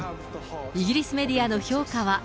イギリスメディアの評価は。